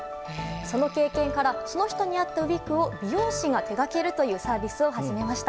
その経験からその人に合ったウィッグを美容師が手掛けるというサービスを始めました。